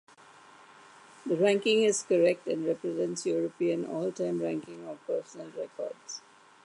The ranking is correct and represents European all-time ranking of personal records.